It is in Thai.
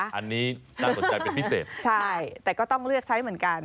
อันนี้น่าสนใจเป็นพิเศษใช่แต่ก็ต้องเลือกใช้เหมือนกัน